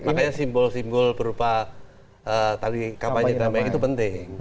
makanya simbol simbol berupa tadi kampanye kampanye itu penting